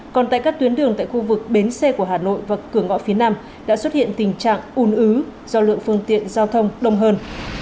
còn tại các tuyến đường tại khu vực bến xe của hà nội và cửa ngõ phía nam đã xuất hiện tình trạng ủn ứ do lượng phương tiện giao thông đông hơn